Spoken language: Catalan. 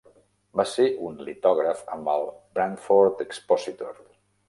Va ser un litògraf amb el "Brantford Expositor".